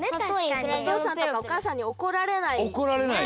おとうさんとかおかあさんにおこられないしね。